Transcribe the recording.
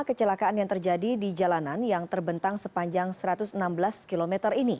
kecelakaan yang terjadi di jalanan yang terbentang sepanjang satu ratus enam belas km ini